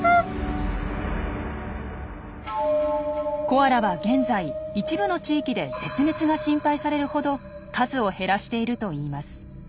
コアラは現在一部の地域で絶滅が心配されるほど数を減らしているといいます。